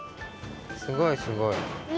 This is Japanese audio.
すごいすごい！